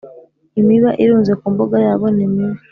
imiba irunze ku mbuga yabo ni mibi